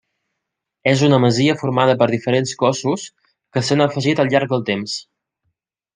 És una masia formada per diferents cossos que s'han afegit al llarg del temps.